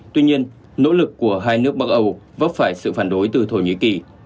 tuy nhiên nỗ lực của hai nước bắc âu vấp phải sự phản đối từ thổ nhĩ kỳ